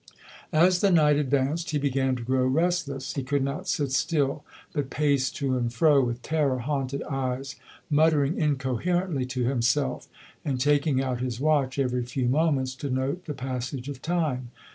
As the night advanced he began to grow restless. He could not sit still, but paced to and fro, with terror haunted eyes, muttering incoherently to himself, and taking out his watch every few moments to note the passage of time.